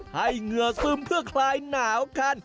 เหงื่อซึมเพื่อคลายหนาวกัน